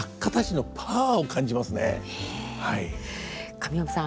神山さん